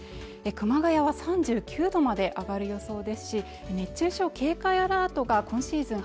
熊谷は３９度まで上がる予想ですし熱中症警戒アラートが今シーズン